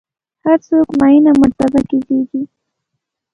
هر څوک معینه مرتبه کې زېږي.